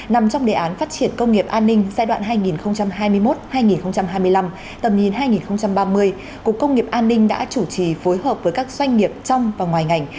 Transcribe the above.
nằm trong đề án phát triển công nghiệp an ninh giai đoạn hai nghìn hai mươi một hai nghìn hai mươi năm tầm nhìn hai nghìn ba mươi cục công nghiệp an ninh đã chủ trì phối hợp với các doanh nghiệp trong và ngoài ngành